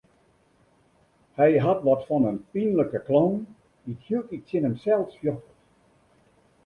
Hy hat wat fan in pynlike clown dy't hieltyd tsjin himsels fjochtet.